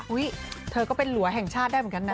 เธอก็เป็นหลัวแห่งชาติได้เหมือนกันนะ